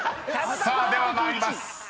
［さあでは参ります］